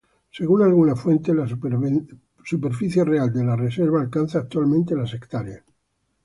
Según algunas fuentes, la superficie real de la reserva alcanza actualmente las ha.